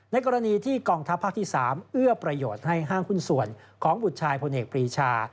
กรณีที่กองทัพภาคที่๓เอื้อประโยชน์ให้ห้างหุ้นส่วนของบุตรชายพลเอกปรีชา